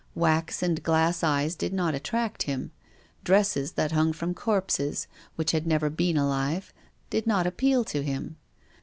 Wax and glass eyes did not attract him. Dresses that hung from corpses, which had never been alive, did not appeal to him.